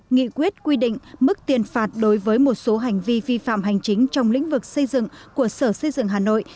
nghị quyết quy định mức tiền phạt đối với một số hành vi vi phạm hành chính trong lĩnh vực xây dựng của sở xây dựng hà nội